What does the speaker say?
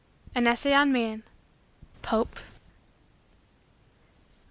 _ "AN ESSAY ON MAN" _Pope.